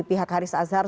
pihak haris azhar